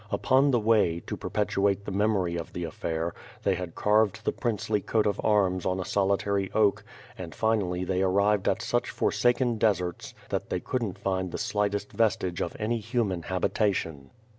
Upon the way, to perpetuate the memory of the affair, they had carved the princely coat of arms on a solitary oak, and finally they arrived at such for saken deserts that they couldn't find the slightest vestige of any human habitation.